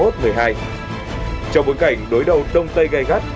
trong bối cảnh đối đầu đông tây gai gắt